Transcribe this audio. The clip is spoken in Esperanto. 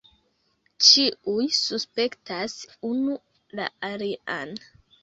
Ĉiuj suspektas unu la alian.